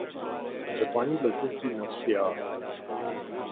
جاپانی لوگوں کی نفسیات